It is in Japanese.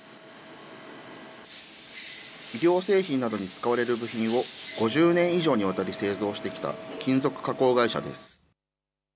医療製品などに使われる部品を５０年以上にわたり製造してきた金属加工会社です。